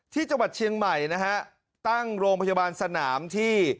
ที่จังหวัดเชียงใหม่นะฮะตั้งโรงพยาบาลสนามที่